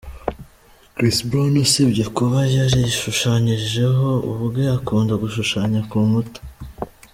Chris Brown usibye kuba yarishushanyijeho ubwe akunda gushushanya ku nkuta.